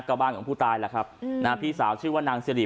กระบ้างเกี่ยวกับผู้ตายล่ะครับอืมนะฮะพี่สาวชื่อว่านางเซลี